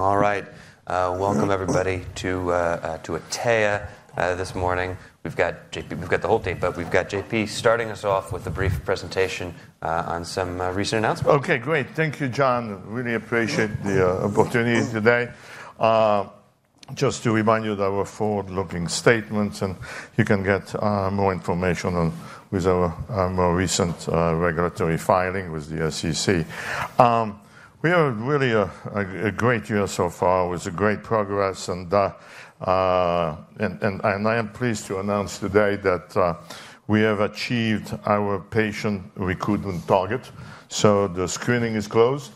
All right. Welcome, everybody, to Atea this morning. We've got JP, we've got the whole team, but we've got JP starting us off with a brief presentation on some recent announcements. Okay, great. Thank you, John. Really appreciate the opportunity today. Just to remind you that we're forward-looking statements, and you can get more information with our more recent regulatory filing with the SEC. We have really a great year so far with great progress, and I am pleased to announce today that we have achieved our patient recruitment target. So the screening is closed,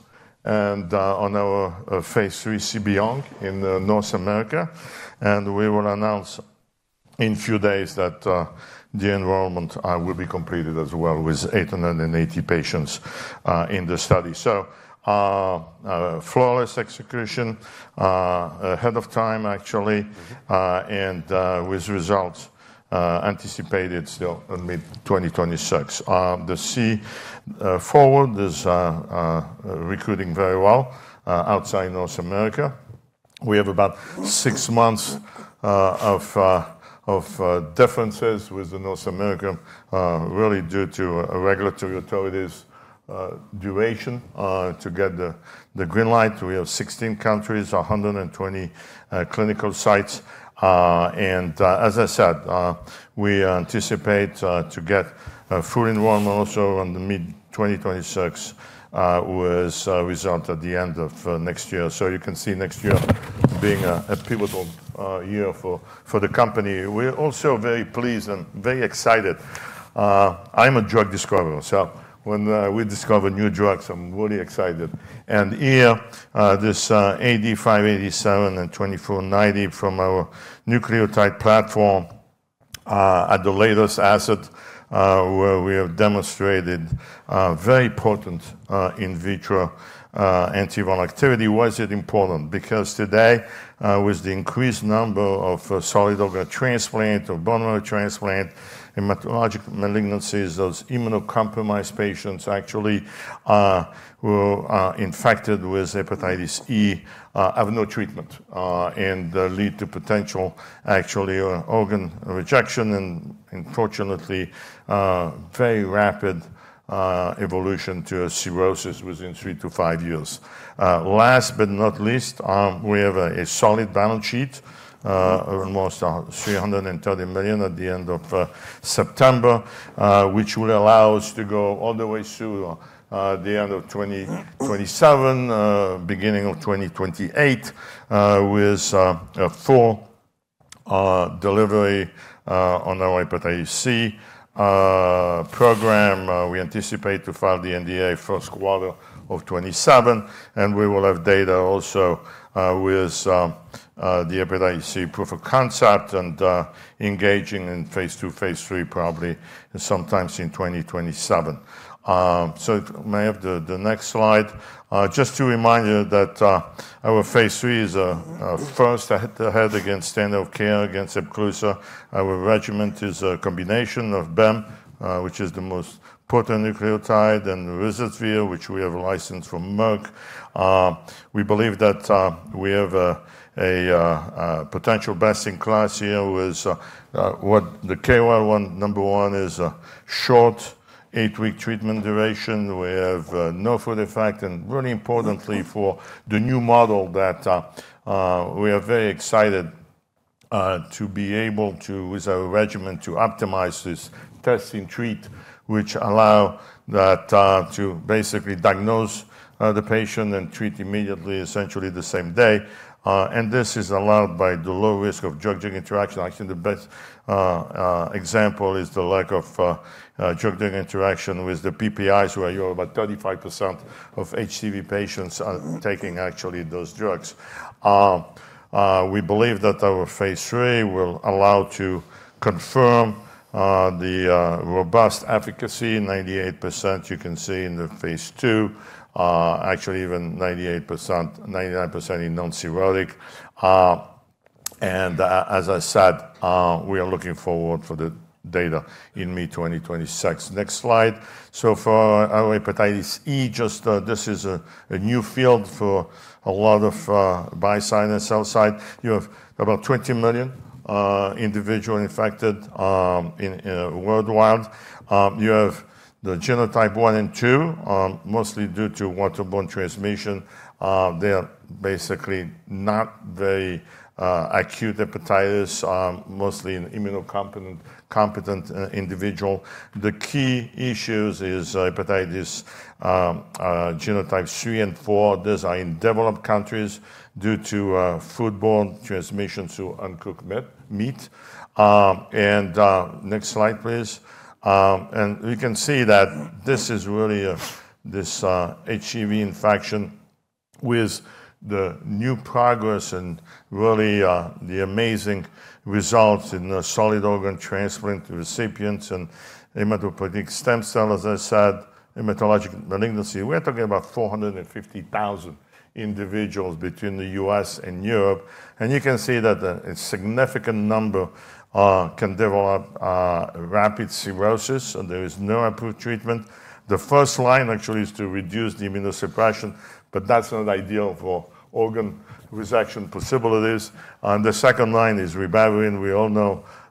and on our phase III, C-BEYOND in North America, and we will announce in a few days that the enrollment will be completed as well with 880 patients in the study. So flawless execution, ahead of time, actually, and with results anticipated till mid-2026. The C-FORWARD is recruiting very well outside North America. We have about six months of differences with North America, really due to regulatory authorities' duration to get the green light. We have 16 countries, 120 clinical sites, and as I said, we anticipate to get full enrollment also around mid-2026 with results at the end of next year. You can see next year being a pivotal year for the company. We're also very pleased and very excited. I'm a drug discoverer, so when we discover new drugs, I'm really excited. Here, this AT-587 and AT-2490 from our nucleotide platform as the latest asset where we have demonstrated very important in vitro antiviral activity. Why is it important? Because today, with the increased number of solid organ transplant or bone marrow transplant, hematologic malignancies, those immunocompromised patients actually were infected with hepatitis E, have no treatment, and lead to potential, actually, organ rejection, and unfortunately, very rapid evolution to cirrhosis within three to five years. Last but not least, we have a solid balance sheet of almost $330 million at the end of September, which will allow us to go all the way through the end of 2027, beginning of 2028, with full delivery on our hepatitis C program. We anticipate to file the NDA first quarter of 2027, and we will have data also with the hepatitis C proof of concept and engaging in phase II, phase III, probably sometime in 2027. So may I have the next slide? Just to remind you that our phase III is a head-to-head against standard of care against Epclusa. Our regimen is a combination of bemnifosbuvir, which is the most potent nucleotide, and ruzasvir, which we have licensed from Merck. We believe that we have a potential best-in-class here with what the KOL number one is: short eight-week treatment duration. We have no food effect, and really importantly for the new model that we are very excited to be able to, with our regimen, to optimize this test and treat, which allow that to basically diagnose the patient and treat immediately, essentially the same day. And this is allowed by the low risk of drug-drug interaction. I think the best example is the lack of drug-drug interaction with the PPIs, where you have about 35% of HCV patients taking actually those drugs. We believe that our phase III will allow to confirm the robust efficacy: 98% you can see in the phase II, actually even 99% in non-cirrhotic. And as I said, we are looking forward for the data in mid-2026. Next slide. So for our hepatitis E, just this is a new field for a lot of buy-side and sell-side. You have about 20 million individuals infected worldwide. You have the genotype 1 and genotype 2, mostly due to waterborne transmission. They are basically not very acute hepatitis, mostly an immunocompetent individual. The key issues are hepatitis genotype 3 and genotype 4. These are undeveloped countries due to foodborne transmission through uncooked meat. And next slide, please. And you can see that this is really this HCV infection with the new progress and really the amazing results in solid organ transplant recipients and hematopoietic stem cells, as I said, hematologic malignancy. We're talking about 450,000 individuals between the U.S. and Europe. And you can see that a significant number can develop rapid cirrhosis, and there is no approved treatment. The first line, actually, is to reduce the immunosuppression, but that's not ideal for organ rejection possibilities. And the second line is ribavirin. We all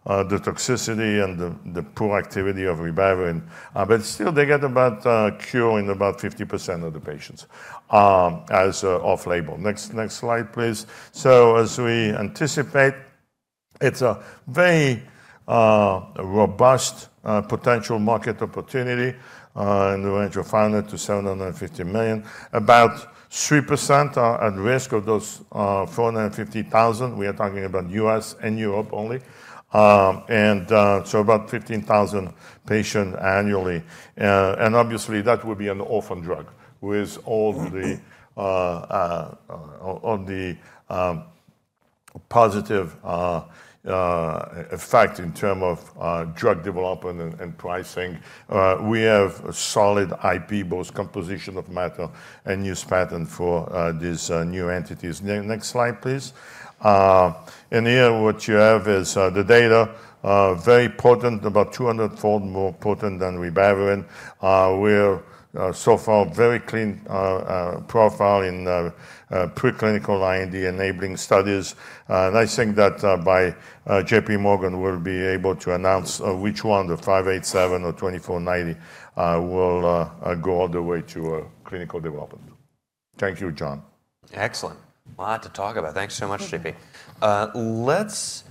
know the toxicity and the poor activity of ribavirin. But still, they get about a cure in about 50% of the patients as off-label. Next slide, please. So as we anticipate, it's a very robust potential market opportunity in the range of $500 million-$750 million. About 3% are at risk of those 450,000. We are talking about U.S. and Europe only. And so about 15,000 patients annually. And obviously, that would be an orphan drug with all the positive effect in terms of drug development and pricing. We have a solid IP, both composition of matter and use patent for these new entities. Next slide, please. And here, what you have is the data, very potent, about 200-fold more potent than ribavirin. We're so far very clean profile in preclinical IND-enabling studies. And I think that by JPMorgan, we'll be able to announce which one, the AT-587 or AT-2490, will go all the way to clinical development. Thank you, John. Excellent. A lot to talk about. Thanks so much, JP. Let's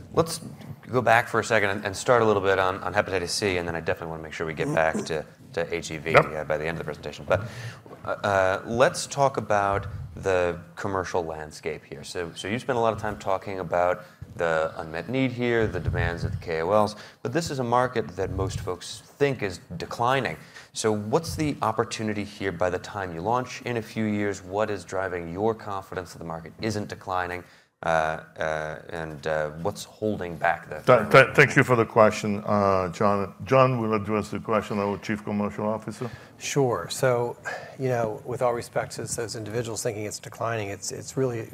go back for a second and start a little bit on hepatitis C, and then I definitely want to make sure we get back to HCV by the end of the presentation, but let's talk about the commercial landscape here. So you spent a lot of time talking about the unmet need here, the demands of the KOLs, but this is a market that most folks think is declining, so what's the opportunity here by the time you launch? In a few years, what is driving your confidence that the market isn't declining, and what's holding back the? Thank you for the question, John. John, will address the question, our Chief Commercial Officer. Sure. So with all respect to those individuals thinking it's declining, it's growing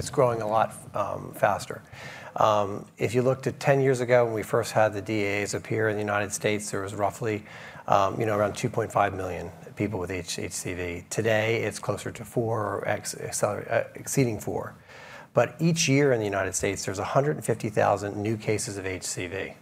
a lot faster. If you looked at 10 years ago when we first had the DAA appear in the United States, there was roughly around 2.5 million people with HCV. Today, it's closer to four or exceeding four. But each year in the United States, there's 150,000 new cases of HCV,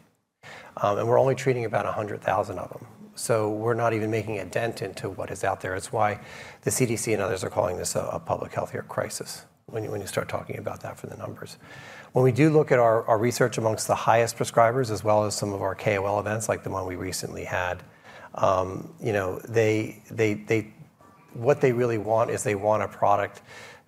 and we're only treating about 100,000 of them. So we're not even making a dent into what is out there. It's why the CDC and others are calling this a public healthcare crisis when you start talking about that for the numbers. When we do look at our research amongst the highest prescribers, as well as some of our KOL events, like the one we recently had, what they really want is they want a product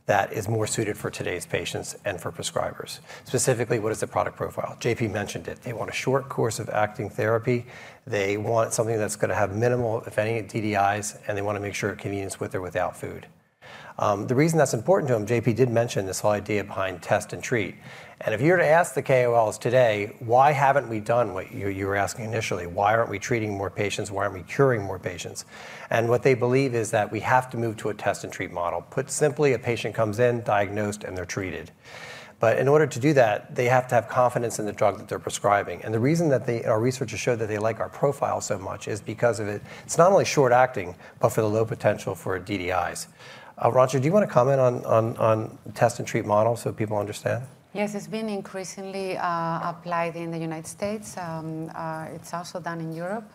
that is more suited for today's patients and for prescribers. Specifically, what is the product profile? JP mentioned it. They want a short course of direct-acting therapy. They want something that's going to have minimal, if any, DDIs, and they want to make sure it's convenient with or without food. The reason that's important to them, JP did mention this whole idea behind test and treat, and if you were to ask the KOLs today, "Why haven't we done what you were asking initially? Why aren't we treating more patients? Why aren't we curing more patients?", and what they believe is that we have to move to a test and treat model. Put simply, a patient comes in, diagnosed, and they're treated, but in order to do that, they have to have confidence in the drug that they're prescribing. The reason that our research has showed that they like our profile so much is because it's not only short-acting, but for the low potential for DDIs. Arantxa, do you want to comment on test and treat model so people understand? Yes. It's been increasingly applied in the United States. It's also done in Europe.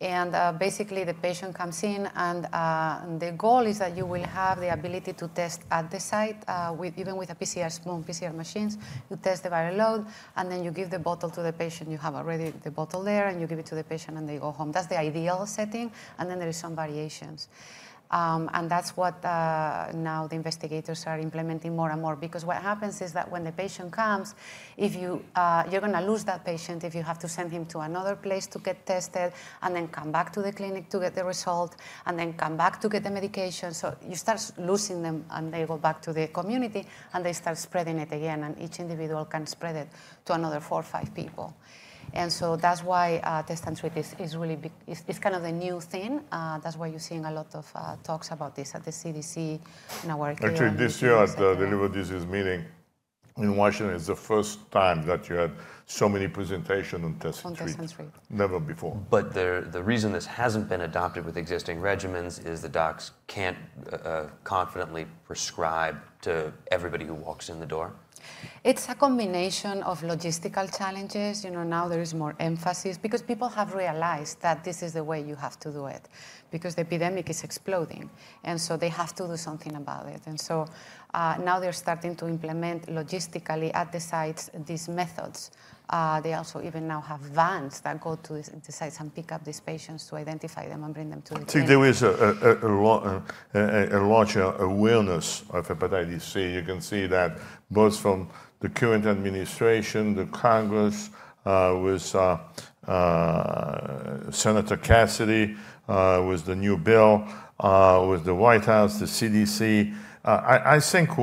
And basically, the patient comes in, and the goal is that you will have the ability to test at the site, even with a PCR swab, PCR machines, to test the viral load, and then you give the bottle to the patient. You have already the bottle there, and you give it to the patient, and they go home. That's the ideal setting, and then there are some variations, and that's what now the investigators are implementing more and more. Because what happens is that when the patient comes, you're going to lose that patient if you have to send him to another place to get tested, and then come back to the clinic to get the result, and then come back to get the medication. So you start losing them, and they go back to the community, and they start spreading it again, and each individual can spread it to another four or five people. And so that's why test and treat is really kind of the new thing. That's why you're seeing a lot of talks about this at the CDC in our clinic. Actually, this year at the liver disease meeting in Washington, it's the first time that you had so many presentations on test and treat. On test and treat. Never before. But the reason this hasn't been adopted with existing regimens is the docs can't confidently prescribe to everybody who walks in the door? It's a combination of logistical challenges. Now there is more emphasis because people have realized that this is the way you have to do it because the epidemic is exploding, and so they have to do something about it, and so now they're starting to implement logistically at the sites these methods. They also even now have vans that go to the sites and pick up these patients to identify them and bring them to the clinic. The goal is a larger awareness of hepatitis C. You can see that both from the current administration, the Congress, with Senator Cassidy, with the new bill, with the White House, the CDC. I think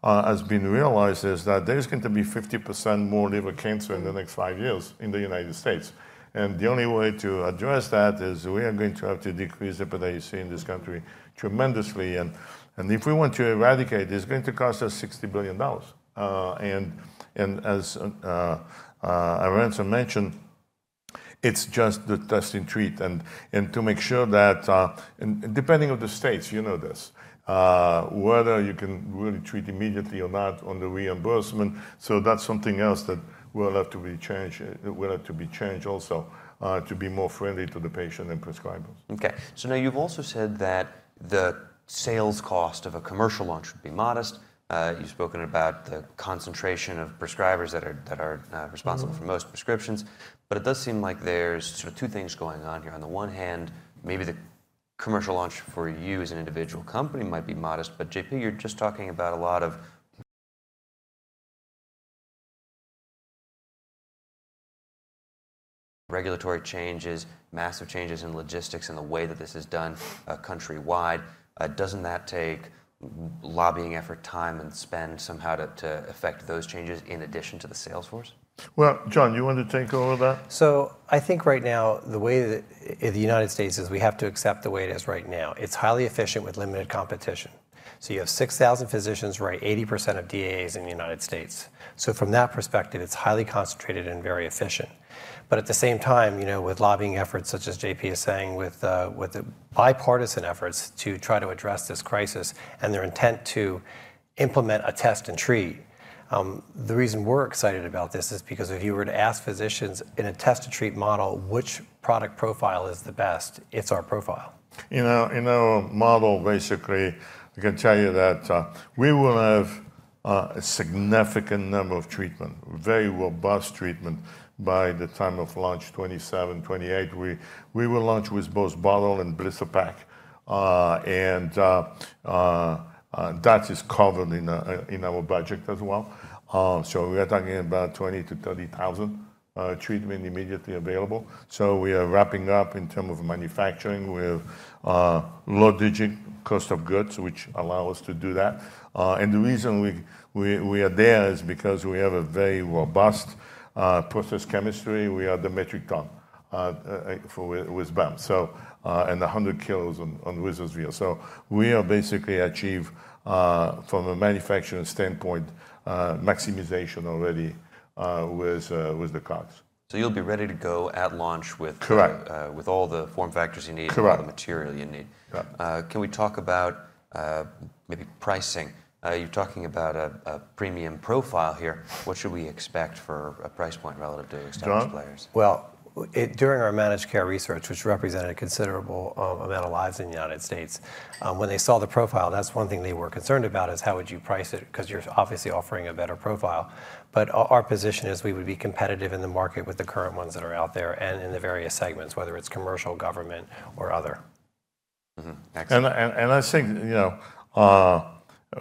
what has been realized is that there's going to be 50% more liver cancer in the next five years in the United States. The only way to address that is we are going to have to decrease hepatitis C in this country tremendously. If we want to eradicate it, it's going to cost us $60 billion. As Arantxa mentioned, it's just the test and treat. To make sure that, depending on the states, you know this, whether you can really treat immediately or not on the reimbursement. So that's something else that will have to be changed also to be more friendly to the patient and prescribers. Okay. So now you've also said that the sales cost of a commercial launch would be modest. You've spoken about the concentration of prescribers that are responsible for most prescriptions. But it does seem like there's sort of two things going on here. On the one hand, maybe the commercial launch for you as an individual company might be modest. But JP, you're just talking about a lot of regulatory changes, massive changes in logistics and the way that this is done countrywide. Doesn't that take lobbying effort, time, and spend somehow to affect those changes in addition to the sales force? John, you want to take over that? I think right now, the way the United States is, we have to accept the way it is right now. It's highly efficient with limited competition. So you have 6,000 physicians, right? 80% of DAA in the United States. So from that perspective, it's highly concentrated and very efficient. But at the same time, with lobbying efforts, such as JP is saying, with the bipartisan efforts to try to address this crisis and their intent to implement a test and treat, the reason we're excited about this is because if you were to ask physicians in a test and treat model which product profile is the best, it's our profile. In our model, basically, I can tell you that we will have a significant number of treatment, very robust treatment by the time of launch 2027, 2028. We will launch with both bottle and blister pack, and that is covered in our budget as well, so we are talking about 20,000-30,000 treatment immediately available. We are wrapping up in terms of manufacturing with low digit cost of goods, which allows us to do that. The reason we are there is because we have a very robust process chemistry. We are at metric ton with bemnifosbuvir, and 100 kilos on ruzasvir. We are basically achieving, from a manufacturing standpoint, maximization already with the costs. So you'll be ready to go at launch with all the form factors you need and all the material you need. Can we talk about maybe pricing? You're talking about a premium profile here. What should we expect for a price point relative to established players? Well, during our managed care research, which represented a considerable amount of lives in the United States, when they saw the profile, that's one thing they were concerned about, is how would you price it because you're obviously offering a better profile. But our position is we would be competitive in the market with the current ones that are out there and in the various segments, whether it's commercial, government, or other. Excellent. And I think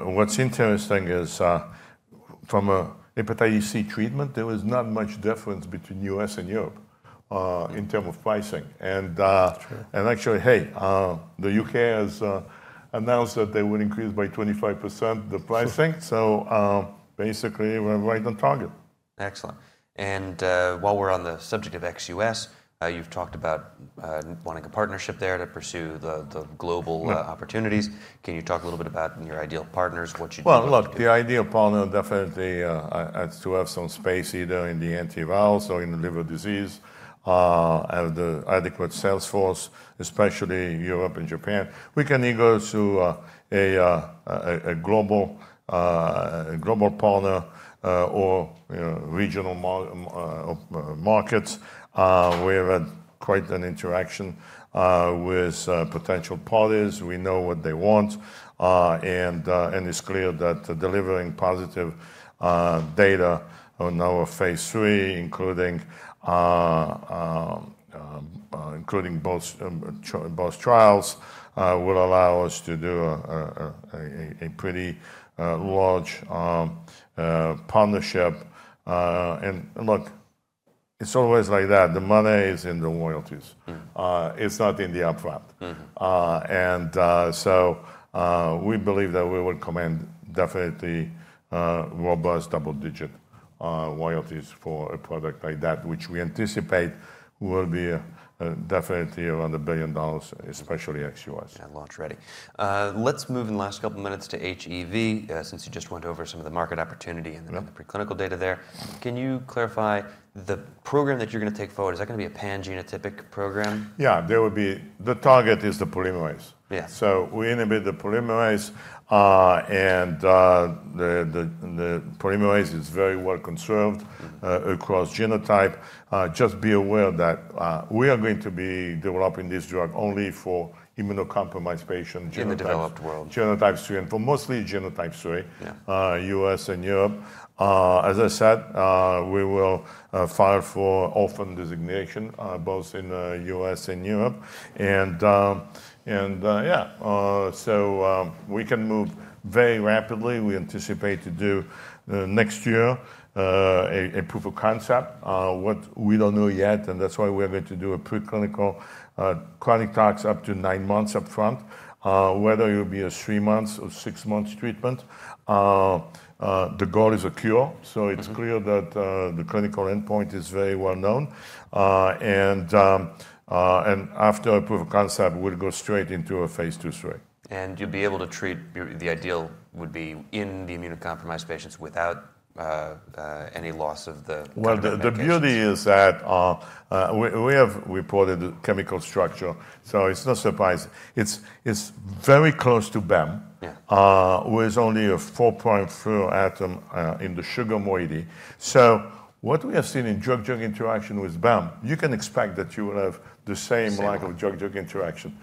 what's interesting is from a hepatitis C treatment, there was not much difference between the U.S. and Europe in terms of pricing. And actually, hey, the U.K. has announced that they will increase by 25% the pricing. So basically, we're right on target. Excellent. And while we're on the subject of ex-U.S., you've talked about wanting a partnership there to pursue the global opportunities. Can you talk a little bit about your ideal partners, what you do? Look, the ideal partner definitely has to have some space either in the antivirals or in liver disease and the adequate sales force, especially Europe and Japan. We can either go to a global partner or regional markets. We have quite an interaction with potential parties. We know what they want. It's clear that delivering positive data on our phase III, including both trials, will allow us to do a pretty large partnership. Look, it's always like that. The money is in the royalties. It's not in the upfront. So we believe that we would command definitely robust double-digit royalties for a product like that, which we anticipate will be definitely around $1 billion, especially ex-U.S. And launch ready. Let's move in the last couple of minutes to HEV, since you just went over some of the market opportunity and the preclinical data there. Can you clarify the program that you're going to take forward? Is that going to be a pan-genotypic program? Yeah. The target is the polymerase. So we inhibit the polymerase, and the polymerase is very well conserved across genotype. Just be aware that we are going to be developing this drug only for immunocompromised patients. In the developed world. Genotype 3 and for mostly genotype 3, U.S. and Europe. As I said, we will file for orphan designation both in the U.S. and Europe. And yeah, so we can move very rapidly. We anticipate to do next year a proof of concept. We don't know yet, and that's why we are going to do a preclinical chronic toxicity up to nine months upfront, whether it will be a three-month or six-month treatment. The goal is a cure. So it's clear that the clinical endpoint is very well known. And after a proof of concept, we'll go straight into a phase II, phase III. And you'll be able to treat the ideal would be in the immunocompromised patients without any loss of the. The beauty is that we have reported chemical structure. So it's no surprise. It's very close to bemnifosbuvir, with only a 4'-F atom in the sugar moiety. So what we have seen in drug-drug interaction with bemnifosbuvir, you can expect that you will have the same lack of drug-drug interaction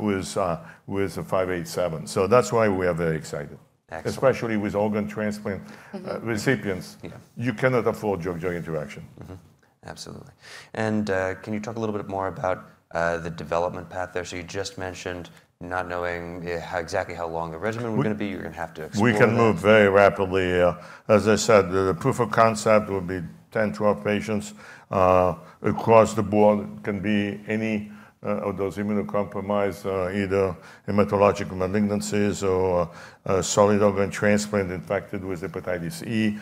with AT-587. So that's why we are very excited, especially with organ transplant recipients. You cannot afford drug-drug interaction. Absolutely. And can you talk a little bit more about the development path there? So you just mentioned not knowing exactly how long the regimen will be going to be. You're going to have to explore. We can move very rapidly here. As I said, the proof of concept will be 10 patients-12 patients across the board. It can be any of those immunocompromised, either hematologic malignancies or solid organ transplant infected with hepatitis E.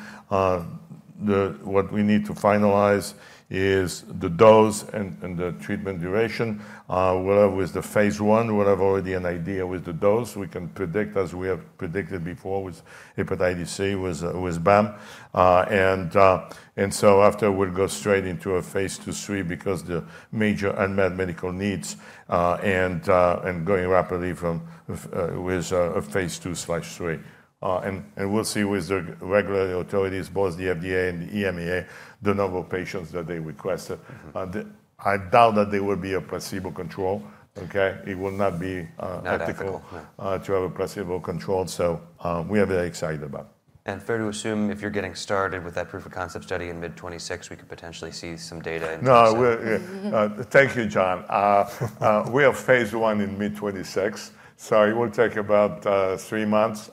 What we need to finalize is the dose and the treatment duration. With the phase I, we'll have already an idea with the dose. We can predict as we have predicted before with hepatitis C, with bemnifosbuvir. And so after, we'll go straight into a phase II, phase III because the major unmet medical needs and going rapidly with phase II/III. And we'll see with the regulatory authorities, both the FDA and the EMA, the number of patients that they requested. I doubt that there will be a placebo control. It will not be practical to have a placebo control. So we are very excited about it. Fair to assume if you're getting started with that proof of concept study in mid-2026, we could potentially see some data in. No, thank you, John. We have phase I in mid-2026. So it will take about three months.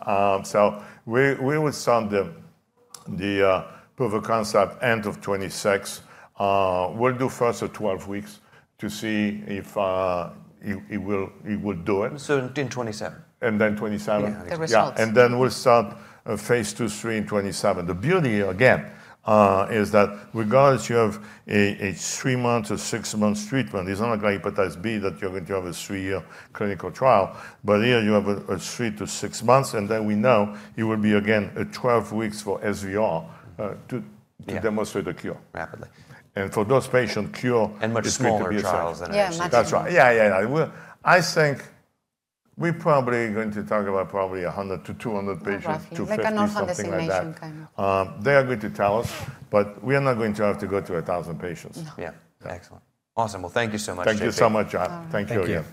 So we will send the proof of concept end of 2026. We'll do first 12 weeks to see if it will do it. In 2027. And then 2027. The results. And then we'll start phase II/III in 2027. The beauty here again is that regardless you have a three-month or six-month treatment, it's not like hepatitis B that you're going to have a three-year clinical trial. But here you have a three to six months. And then we know it will be again 12 weeks for SVR to demonstrate a cure. Rapidly. For those patients, cure. Much smaller trials than I assume. Yeah, much smaller. Yeah, yeah, yeah. I think we're probably going to talk about probably 100 to 200 patients to 50. Like a non-hands-on situation kind of. They are going to tell us, but we are not going to have to go to 1,000 patients. Yeah. Excellent. Awesome. Well, thank you so much, JP. Thank you so much, John. Thank you again.